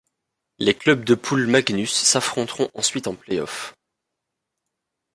Les clubs de poule Magnus s'affronteront ensuite en play-offs.